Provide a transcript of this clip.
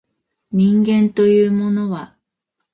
人間というものは